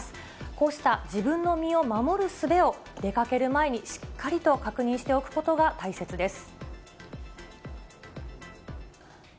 こうした自分の身を守るすべを出かける前にしっかりと確認しておくことが大切です。